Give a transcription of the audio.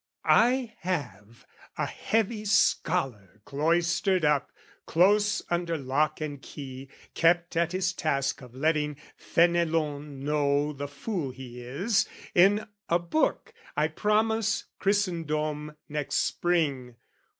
"I have a heavy scholar cloistered up "Close under lock and key, kept at his task "Of letting Fenelon know the fool he is, "In a book I promise Christendom next Spring.